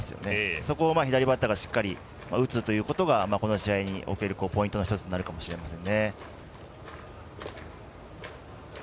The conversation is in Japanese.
そこを左バッターがしっかり打つということがこの試合におけるポイントの一つになるのかもしれませんね。